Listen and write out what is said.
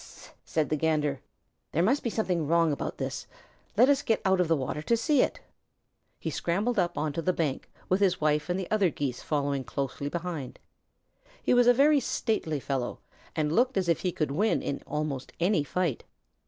"S s s s s!" said the Gander. "There must be something wrong about this. Let us get out of the water to see." He scrambled up onto the bank, with his wife and the other Geese following closely behind him. He was a very stately fellow, and looked as though he could win in almost any fight.